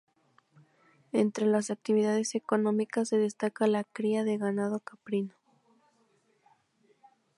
Entre las actividades económicas se destaca la cría de ganado caprino.